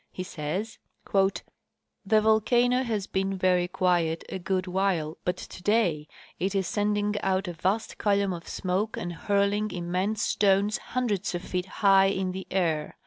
He says :" The volcano has been very quiet a good while, but today it is send ing out a vast column of smoke and hurling immense stones hundreds of feet higli in the air.